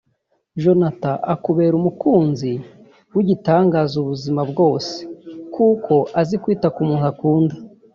Jonathan akubera umukunzi w’igitangaza ubuzima bwose kuko azi kwita ku muntu akunda